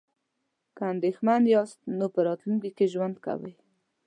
که اندیښمن یاست نو په راتلونکي کې ژوند کوئ.